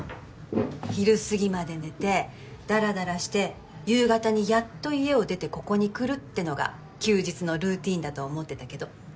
昼過ぎまで寝てダラダラして夕方にやっと家を出てここに来るってのが休日のルーティンだと思ってたけど。